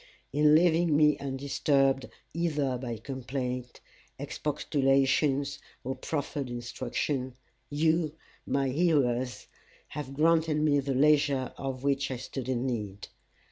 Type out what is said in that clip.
In leaving me undisturbed either by complaint, expostulation, or proffered instruction, you, my hearers, have granted me the leisure of which I stood in need.